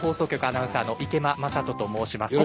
アナウンサーの池間昌人と申します。